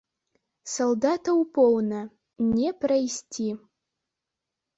Салдатаў поўна, не прайсці.